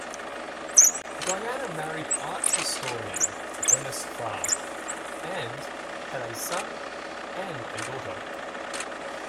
Diana married art historian Dennis Farr, and had a son and a daughter.